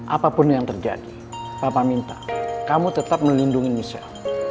apapun yang terjadi papa minta kamu tetap melindungi michelle